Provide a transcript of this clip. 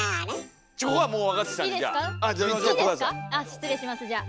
失礼しますじゃあ。